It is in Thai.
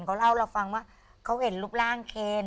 เขาเล่าให้เราฟังว่าเขาเห็นรูปร่างเคน